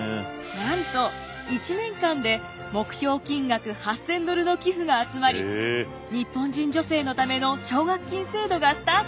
なんと１年間で目標金額８，０００ドルの寄付が集まり日本人女性のための奨学金制度がスタートしました。